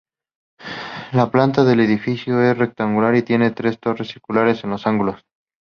La planta del edificio es rectangular y tiene tres torres circulares en los ángulos.